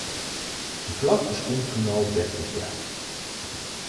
De vlag bestond toen al dertig jaar.